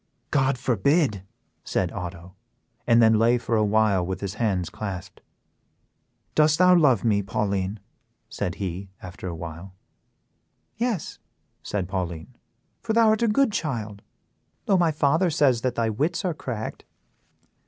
"God forbid!" said Otto, and then lay for a while with his hands clasped. "Dost thou love me, Pauline?" said he, after a while. "Yes," said Pauline, "for thou art a good child, though my father says that thy wits are cracked."